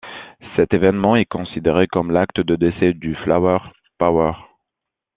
Cet évènement est considéré comme l'acte de décès du Flower Power.